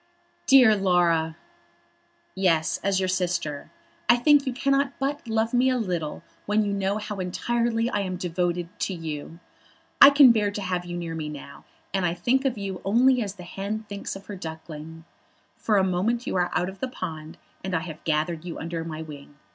"Dear Laura!" "Yes; as your sister. I think you cannot but love me a little when you know how entirely I am devoted to you. I can bear to have you near me now and think of you only as the hen thinks of her duckling. For a moment you are out of the pond, and I have gathered you under my wing.